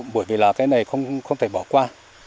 bởi vì là cái này không thể bỏ qua